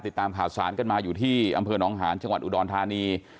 ติดตามข่าวสารกันมาอยู่ที่อำเภอหนองหาญจังหวัดอุดรธานี